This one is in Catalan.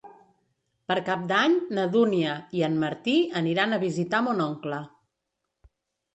Per Cap d'Any na Dúnia i en Martí aniran a visitar mon oncle.